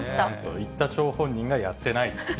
言った張本人がやってない。